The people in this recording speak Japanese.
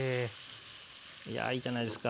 いいじゃないですか。